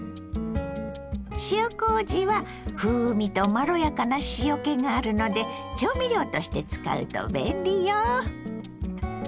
塩こうじは風味とまろやかな塩けがあるので調味料として使うと便利よ。